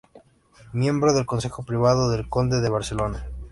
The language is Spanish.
Miembro del Consejo Privado del Conde de Barcelona.